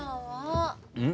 うん？